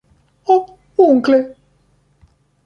Oh, Uncle!